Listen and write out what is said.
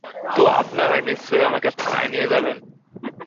তো আপনারা নিশ্চয়ই আমাকে থানায় নিয়ে যাবেন?